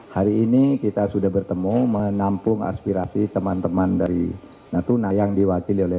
hari ini kita sudah bertemu menampung aspirasi teman teman dari natuna yang diwakili oleh